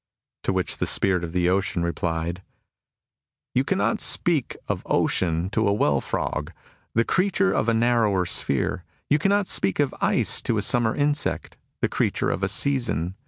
" To which the Spirit of the Ocean replied :" You cannot speak of ocean to a well frog, — the creature of a narrower sphere. You cannot speak of ice to a summer insect, — the creature of a season.